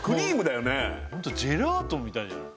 ホントジェラートみたいじゃない？